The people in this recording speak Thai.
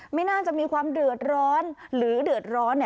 ไม่น่าจะมีความเดือดร้อนหรือเดือดร้อน